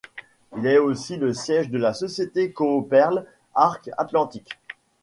Il est aussi le siège de la société Cooperl Arc Atlantique.